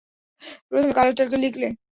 প্রথমে কালেক্টরকে লিখলে।